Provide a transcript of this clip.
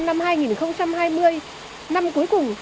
năm hai nghìn hai mươi năm cuối cùng